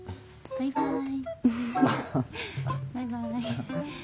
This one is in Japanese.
バイバイ。